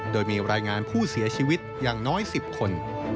โดยมีรายงานผู้เสียชีวิตอย่างน้อย๑๐คน